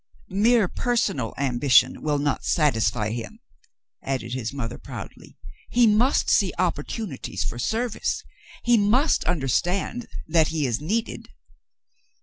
"Mere personal ambition will not satisfy him," added his mother, proudly. "He must see opportunities for service. He must understand that he is needed."